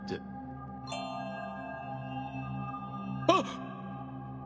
あっ！